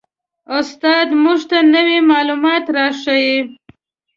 استاد موږ ته نوي معلومات را ښیي